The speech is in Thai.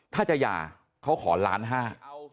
ถ้าจะหย่าเขาขอล้านห้า